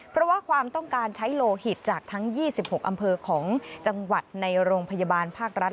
เพราะว่าความต้องการใช้โลหิตจากทั้ง๒๖อำเภอของจังหวัดในโรงพยาบาลภาครัฐ